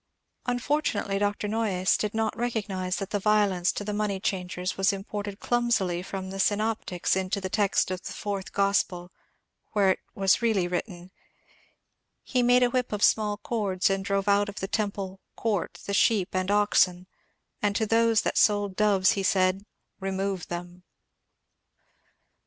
Un fortunately Dr. Noyes did not recognize that the violence to the money changers was imported clumsily from the synoptics into the text of the Fourth Gospel, where it was really written : ^^He made a whip of small cords and drove out of the temple (court) the sheep and oxen, and to those that sold doves said, remove them."